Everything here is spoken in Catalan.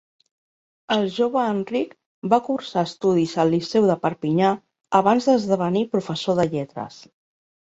El jove Enric va cursar estudis al liceu de Perpinyà abans d’esdevenir professor de lletres.